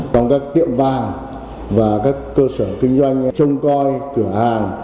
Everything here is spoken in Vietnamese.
còn các tiệm vang và các cơ sở kinh doanh trông coi cửa hàng